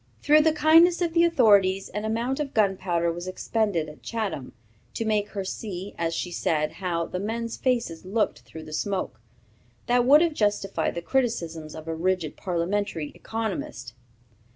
"Through the kindness of the authorities, an amount of gunpowder was expended at Chatham, to make her see, as she said, how 'the men's faces looked through the smoke,' that would have justified the criticisms of a rigid parliamentary economist.